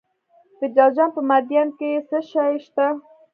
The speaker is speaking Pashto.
د جوزجان په مردیان کې څه شی شته؟